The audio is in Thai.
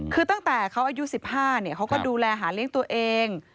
คือตั้งแต่เขาอายุ๑๕เขาก็ดูแลหาเลี้ยงตัวเอง